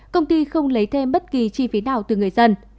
công ty không lấy thêm bất kỳ chi phí nào từ người dân